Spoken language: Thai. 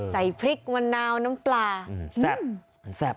ใส่พริกมะนาวน้ำปลา